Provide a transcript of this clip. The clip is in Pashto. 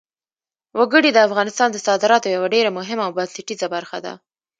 وګړي د افغانستان د صادراتو یوه ډېره مهمه او بنسټیزه برخه ده.